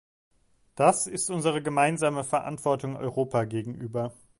Das ist unsere gemeinsame Verantwortung Europa gegenüber.